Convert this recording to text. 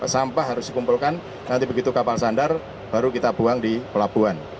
sampah harus dikumpulkan nanti begitu kapal sandar baru kita buang di pelabuhan